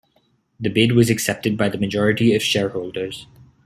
The bid was accepted by the majority of shareholders.